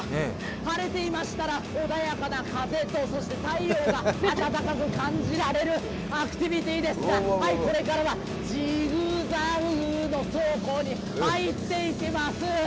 晴れていましたら穏やかな風と太陽が暖く感じられるアクティビティーですがこれからはジグザグの走行に入っていきます。